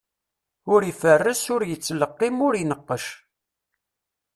Ur iferres, ur yettleqqim, ur ineqqec.